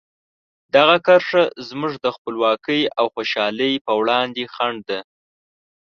دغه کرښه زموږ د خپلواکۍ او خوشحالۍ په وړاندې خنډ ده.